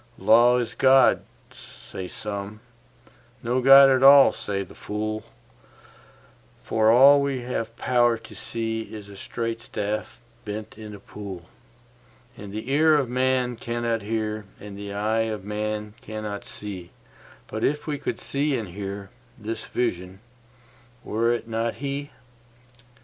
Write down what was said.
Law is God, say some: no God at all, says the fool; For all we have power to see is a straight staff bent in a pool; And the ear of man cannot hear, and the eye of man cannot see; But if we could see and hear, this Vision—were it not He?